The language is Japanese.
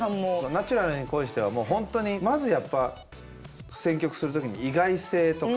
「ナチュラルに恋して」はもう本当にまずやっぱ選曲する時に意外性とか。